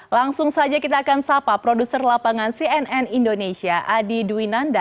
langsung saja kita akan sapa produser lapangan cnn indonesia adi dwinanda